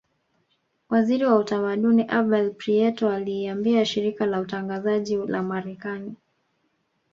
Waziri wa utamaduni Abel Prieto aliiambia shirika la utangazaji la marekani